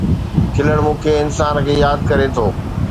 کلڻ مون کي انسان کي ياد ڪري ٿو